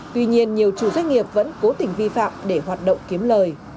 tuy nhiên nhiều chủ doanh nghiệp vẫn cố tình vi phạm để hoạt động kiếm lời